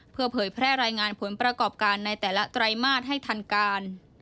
เพื่อเผยแพร่รายงานผลประกอบการในแต่ละไตรมาสให้ทันการ